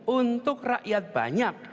untuk rakyat banyak